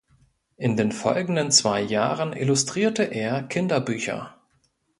In den folgenden zwei Jahren illustrierte er Kinderbücher.